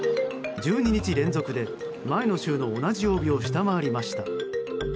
１２日連続で前の週の同じ曜日を下回りました。